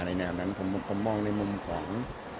ในแนวนั้นผมมองในมุมของ